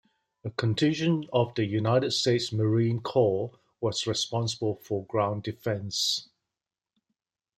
A contingent of the United States Marine Corps was responsible for ground defense.